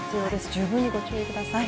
十分にご注意ください。